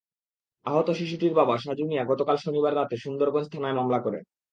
আহত শিশুটির বাবা সাজু মিয়া গতকাল শনিবার রাতে সুন্দরগঞ্জ থানায় মামলা করেন।